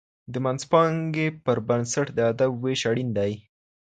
د منځپانګي پر بنسټ د ادب وېش اړین کار دئ.